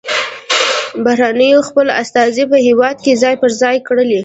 بهرنیانو خپل استازي په هیواد کې ځای پر ځای کړي